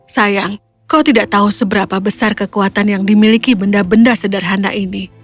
sayang kau tidak tahu seberapa besar kekuatan yang dimiliki benda benda sederhana ini